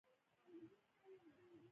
د افغانستان اقتصاد ترډیره پرکرهڼه ولاړ دی.